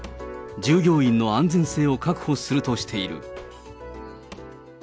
従業員の安全性を確保するとしている。